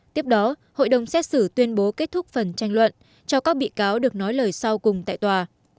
tiếp đó hội đồng xét xử tuyên bố kết thúc phần tranh luận cho các bị cáo được nói lời sau cùng tại tòa